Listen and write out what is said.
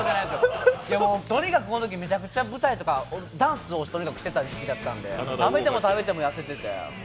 とにかくこのときめちゃくちゃ舞台とかダンスをしてた時期だったので食べても食べても痩せてて。